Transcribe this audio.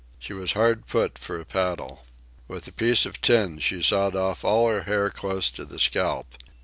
She was hard put for a paddle. With a piece of tin she sawed off all her hair close to the scalp.